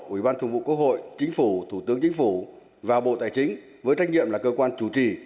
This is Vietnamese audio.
ủy ban thường vụ quốc hội chính phủ thủ tướng chính phủ và bộ tài chính với trách nhiệm là cơ quan chủ trì